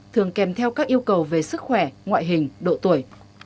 thường kèm theo các yêu cầu về sức khỏe ngoại hình độ tuổi